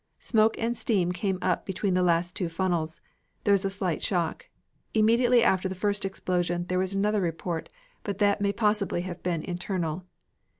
Smoke and steam came up between the last two funnels. There was a slight shock. Immediately after the first explosion there was another report, but that may possibly have been internal.